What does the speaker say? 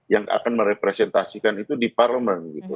yang akan merepresentasikan itu di parlemen gitu